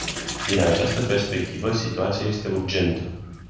Din această perspectivă, situația este urgentă.